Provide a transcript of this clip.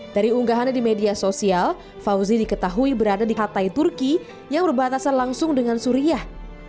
dari unggahannya di media sosial fauzi diketahui berada di hatay turki yang berbatasan langsung dengan suriah